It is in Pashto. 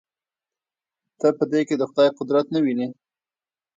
ته په دې کښې د خداى قدرت نه وينې.